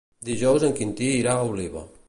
Dijous en Quintí irà a Oliva.